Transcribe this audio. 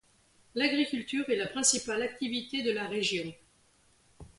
L'agriculture est la principale activité de la région.